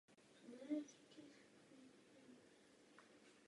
Patří k nejjižnějším sídlům v Chorvatsku.